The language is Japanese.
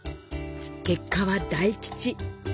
結果は大吉。